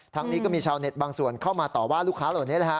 นี้ก็มีชาวเน็ตบางส่วนเข้ามาต่อว่าลูกค้าเหล่านี้นะฮะ